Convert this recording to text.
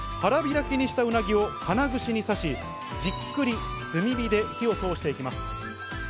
腹開きにしたうなぎを金串に刺し、じっくり炭火で火を通していきます。